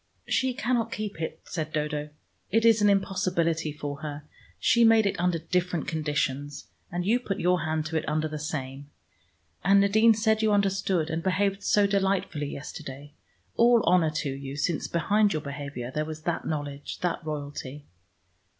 "She cannot keep it," said Dodo. "It is an impossibility for her. She made it under different conditions, and you put your hand to it under the same. And Nadine said you understood, and behaved so delightfully yesterday. All honor to you, since behind your behavior there was that knowledge, that royalty."